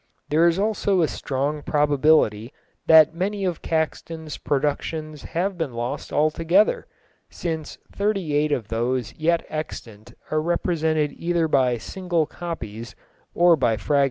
There is also a strong probability that many of Caxton's productions have been lost altogether, since thirty eight of those yet extant are represented either by single copies or by fragments.